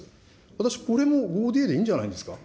私、これもＯＤＡでいいんじゃないですか。